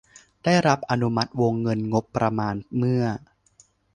ได้รับอนุมัติวงเงินงบประมาณเมื่อ